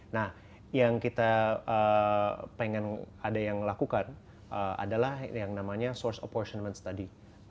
nah yang kita pengen ada yang lakukan adalah yang namanya source apportionment study